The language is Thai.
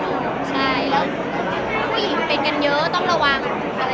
ผู้หญิงเป็นกันเยอะต้องระวัง